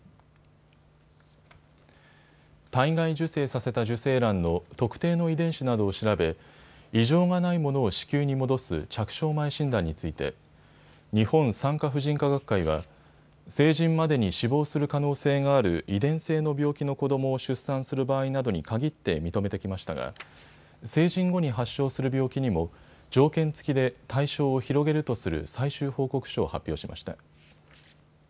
体外受精させた受精卵の特定の遺伝子などを調べ異常がないものを子宮に戻す着床前診断について日本産科婦人科学会は、成人までに死亡する可能性がある遺伝性の病気の子どもを出産する場合などに限って認めてきましたが、成人後に発症する病気にも条件付きで対象を広げるとする最終報告書を発表しました。